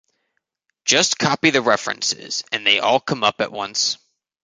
just copy the references and they all come up at once.